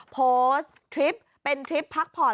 โพสต์ทริปเป็นทริปพักผ่อน